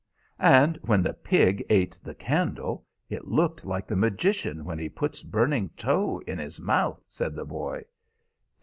"And when the pig ate the candle it looked like the magician when he puts burning tow in his mouth," said the boy.